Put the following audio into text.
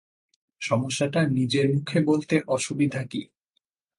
সমস্যাটা নিজের মুখে বলতে অসুবিধা কী?